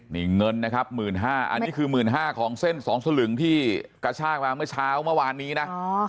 นี่เงินนะครับ๑๕๐๐อันนี้คือ๑๕๐๐ของเส้น๒สลึงที่กระชากมาเมื่อเช้าเมื่อวานนี้นะ